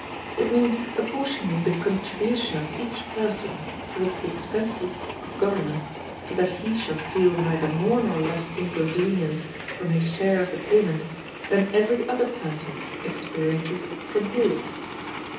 It means apportioning the contribution of each person toward the expenses of government, so that he shall feel neither more nor less inconvenience from his share of the payment than every other person experiences from his.